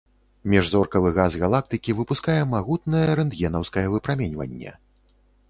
Міжзоркавы газ галактыкі выпускае магутнае рэнтгенаўскае выпраменьванне.